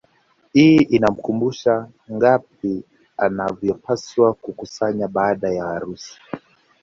Hii inamkumbusha ngapi anavyopaswa kukusanya baada ya harusi